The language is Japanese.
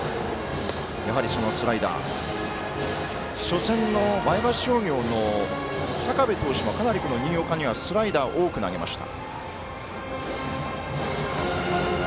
初戦の前橋商業の坂部投手もかなり新岡にはスライダーを多く投げました。